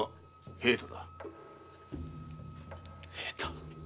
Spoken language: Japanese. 平太。